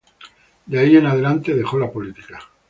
De ahí en adelante dejó la política.